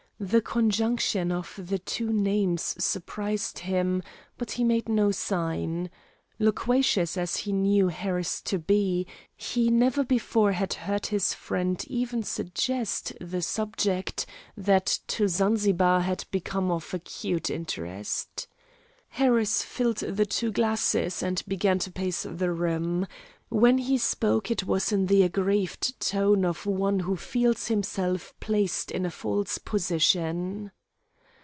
The conjunction of the two names surprised him, but he made no sign. Loquacious as he knew Harris to be, he never before had heard his friend even suggest the subject that to Zanzibar had become of acute interest. Harris filled the two glasses, and began to pace the room. When he spoke it was in the aggrieved tone of one who feels himself placed in a false position.